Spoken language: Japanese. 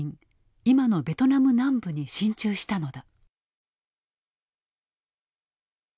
今のベトナム南部に進駐したのだ。